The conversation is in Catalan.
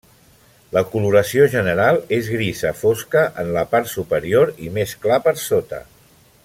La coloració general és grisa fosca en la part superior i més clar per sota.